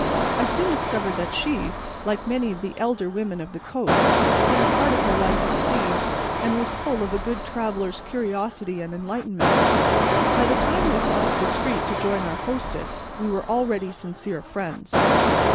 I soon discovered that she, like many of the elder women of the coast, had spent a part of her life at sea, and was full of a good traveler's curiosity and enlightenment. By the time we thought it discreet to join our hostess we were already sincere friends.